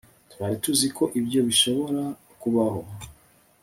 twari tuzi ko ibyo bishobora kubaho